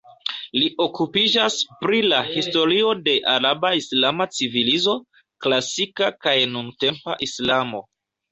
Li okupiĝas pri la historio de araba-islama civilizo, klasika kaj nuntempa islamo.